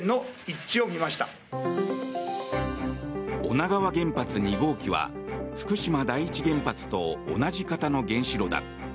女川原発２号機は福島第一原発と同じ型の原子炉だ。